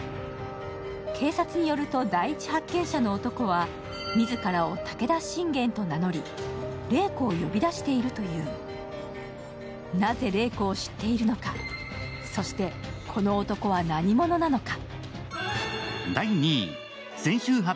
警察によると、第一発見者の男は自らを武田信玄と名乗り、麗子を呼び出しているという、なぜ麗子を知っているのか、そしてこの男は何者なのか。